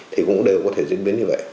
thì cũng đều có thể diễn biến như thế này